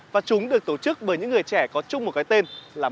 và chúng được tổ chức bởi những người trẻ có chung một cái tên là